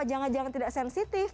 jangan jangan tidak sensitif